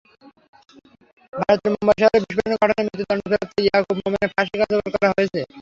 ভারতের মুম্বাই শহরে বিস্ফোরণের ঘটনায় মৃত্যুদণ্ডপ্রাপ্ত ইয়াকুব মেমনের ফাঁসি কার্যকর করা হয়েছে।